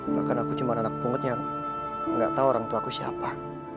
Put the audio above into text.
bahkan aku cuma anak punget yang nggak tahu orangtuaku siapa